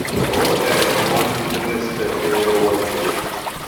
Both aired in one continuous clip during the awards show.